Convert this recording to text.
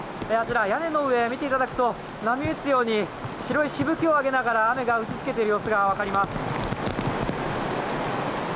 屋根の上を見ていただくと波打つように白いしぶきを上げながら雨が打ち付けている様子が分かります。